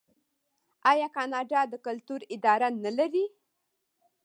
آیا کاناډا د کلتور اداره نلري؟